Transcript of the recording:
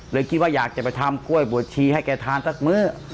เลยคิดว่าอยากจะไปทำกล้วยบวชชีให้แกทานสักมื้อ